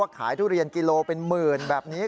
ขายทุเรียนกิโลเป็นหมื่นแบบนี้